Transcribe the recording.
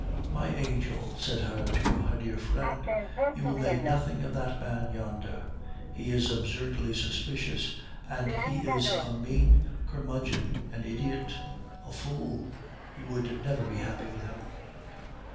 "My angel," said she to her dear friend, "you will make nothing of that man yonder. He is absurdly suspicious, and he is a mean curmudgeon, an idiot, a fool; you would never be happy with him."